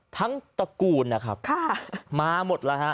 ตระกูลนะครับมาหมดแล้วฮะ